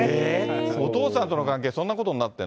お父さんとの関係、そんなことになってるの？